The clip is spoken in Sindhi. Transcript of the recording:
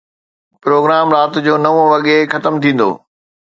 پروگرام رات جو نو وڳي ختم ٿيندو.